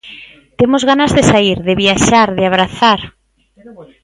Temos ganas de saír, de viaxar, de abrazar.